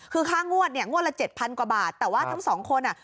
คือค่างวดเนี่ยงวดละ๗๐๐๐กว่าบาทแต่ว่าทั้ง๒คนอ่ะ